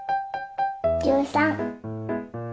１３。